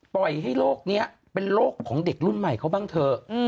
ปล่อยให้โลกนี้เป็นโรคของเด็กรุ่นใหม่เขาบ้างเถอะ